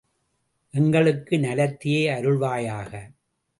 எங்களுக்கு நலத்தையே அருள்வாயாக!